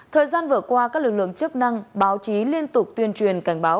thời gian vừa qua các lực lượng chức năng báo chí liên tục tuyên truyền cảnh báo